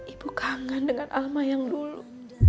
ibu kangen dengan alma yang dulu